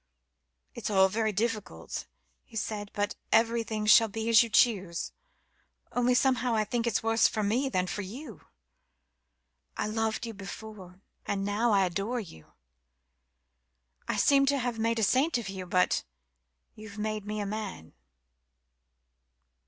"It's all very difficult," he said; "but everything shall be as you choose, only somehow I think it's worse for me than for you. I loved you before and now I adore you. I seem to have made a saint of you but you've made me a man."